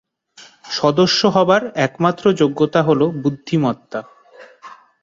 সদস্য হবার একমাত্র যোগ্যতা হলো বুদ্ধিমত্তা।